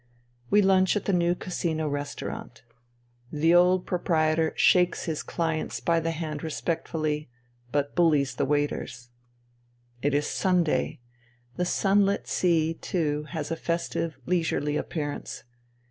We lunch at the new Casino restaurant. The old proprietor shakes his clients 206 FUTILITY by the hand respectfully, but bullies the waiters. It is Sunday. The sunlit sea, too, has a festive, leisurely appearance.